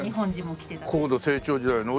高度成長時代の。